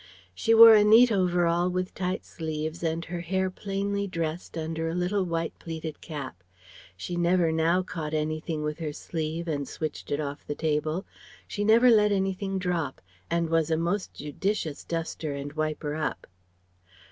She wore a neat overall with tight sleeves and her hair plainly dressed under a little white, pleated cap. She never now caught anything with her sleeve and switched it off the table; she never let anything drop, and was a most judicious duster and wiper up.